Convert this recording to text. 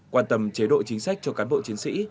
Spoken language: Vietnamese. quan tâm chế độ chính sách cho cán bộ chiến sĩ